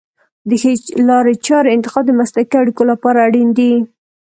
د ښې لارې چارې انتخاب د مسلکي اړیکو لپاره اړین دی.